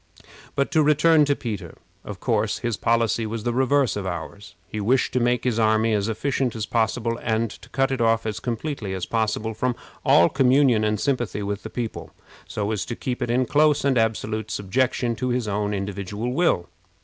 But to return to Peter. Of course, his policy was the reverse of ours. He wished to make his army as efficient as possible, and to cut it off as completely as possible from all communion and sympathy with the people, so as to keep it in close and absolute subjection to his own individual will.